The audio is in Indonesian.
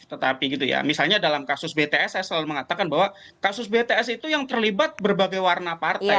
tetapi gitu ya misalnya dalam kasus bts saya selalu mengatakan bahwa kasus bts itu yang terlibat berbagai warna partai